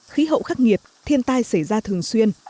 khí hậu khắc nghiệt thiên tai xảy ra thường xuyên